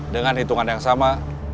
dengan hitungan yang sama